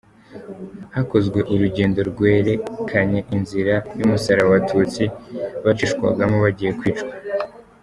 Hakozwe urugendo rwerekanye inzira y’umusaraba Abatutsi bacishwagamo bagiye kwicwa.